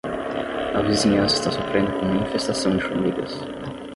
A vizinhança está sofrendo com uma infestação de formigas